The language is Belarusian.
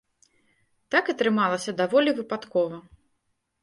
Так атрымалася даволі выпадкова.